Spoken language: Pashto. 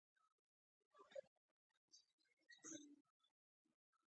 جبار خان: نیمګړی دې تداوي کړی یې، د پخوا په نسبت ښه یم.